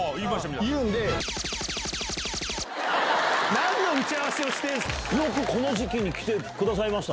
何の打ち合わせをしてんすか！